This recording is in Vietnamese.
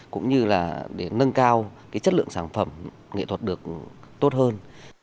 cũng như là để nâng cao cái chất lượng sản phẩm nghệ thuật được tốt hơn